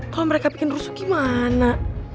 kalau mereka bikin rusuh gimana